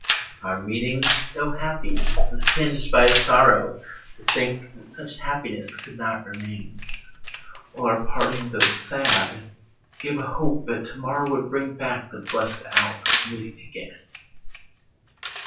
Our meeting, tho' happy, was tinged by a sorrow To think that such happiness could not remain; While our parting, tho' sad, gave a hope that to morrow Would bring back the blest hour of meeting again.